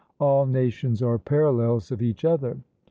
All nations are parallels of each other!